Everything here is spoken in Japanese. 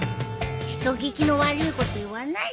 人聞きの悪いこと言わないでよ。